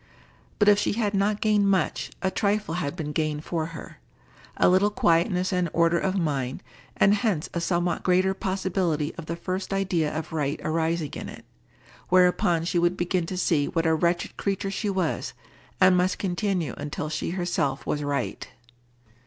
But if she had not gained much, a trifle had been gained for her: a little quietness and order of mind, and hence a somewhat greater possibility of the first idea of right arising in it, whereupon she would begin to see what a wretched creature she was, and must continue until she herself was right.